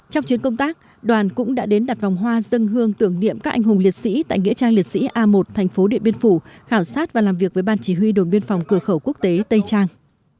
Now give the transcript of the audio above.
trong chuyến công tác đoàn cũng đã đến đặt vòng hoa dân hương tưởng niệm các anh hùng liệt sĩ tại nghĩa trang liệt sĩ a một thành phố điện biên phủ khảo sát và làm việc với ban chỉ huy đồn biên phòng cửa khẩu quốc tế tây trang